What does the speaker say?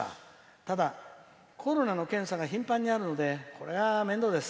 ただコロナの検査が頻繁にあるのでこれは面倒です。